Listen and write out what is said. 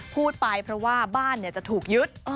พูดไปเพราะว่าบ้านจะถูกยึด